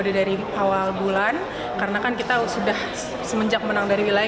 dari awal bulan karena kan kita sudah semenjak menang dari wilayah